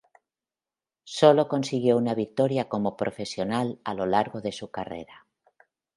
Sólo consiguió una victoria como profesional a lo largo de su carrera.